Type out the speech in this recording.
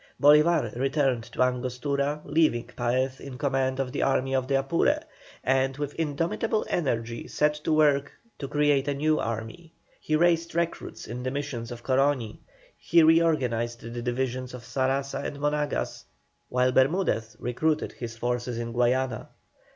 Bolívar returned to Angostura, leaving Paez in command of the Army of the Apure, and with indomitable energy set to work to create a new army. He raised recruits in the Missions of Coroni, re organized the divisions of Saraza and Monagas, while Bermudez recruited his forces in Guayana.